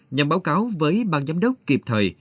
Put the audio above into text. nhằm báo cáo với bang giám đốc kịp thời